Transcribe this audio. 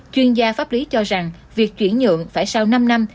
chuyên gia pháp lý cho rằng việc chuyển nhượng phải sau năm năm